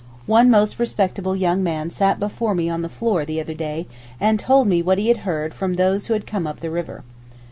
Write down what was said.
One most respectable young man sat before me on the floor the other day and told me what he had heard from those who had come up the river.